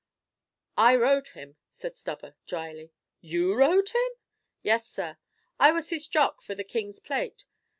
"I rode him," said Stubber, dryly. "You rode him?" "Yes, sir. I was his jock for the King's Plate.